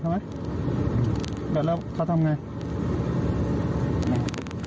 ก็ออกไปออกมาได้เช่นตรงนอก